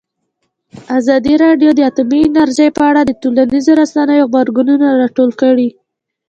ازادي راډیو د اټومي انرژي په اړه د ټولنیزو رسنیو غبرګونونه راټول کړي.